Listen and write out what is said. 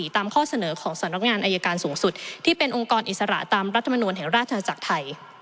ตามข้อเสนอของสำนักงานอายการสูงสุดที่เป็นองค์กรอิสระตามรัฐมนูลแห่งราชนาจักรไทย